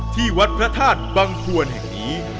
ที่วัดพระธาตุบังควรแห่งนี้